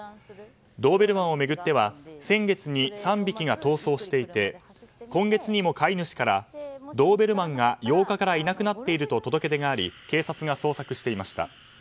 ドーベルマンを巡っては先月に３匹が逃走していて今月にも飼い主からドーベルマンが８日からいなくなっていると届け出があり警察が捜索していました。